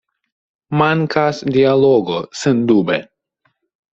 Mankas dialogo, sendube!